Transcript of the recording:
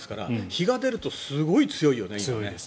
日が出るとすごい強いよね。